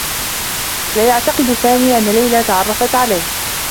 لا يعتقد سامي أنّ ليلى تعرّفت عليه.